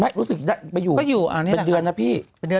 รู้สึกได้ไปอยู่เป็นเดือนนะพี่